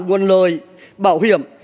nguồn lời bảo hiểm